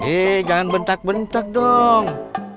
eh jangan bentak bentak dong